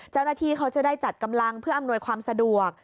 เจ้าหน้าที่เขาจะได้จัดกำลังเพื่ออำนวยความสะดวก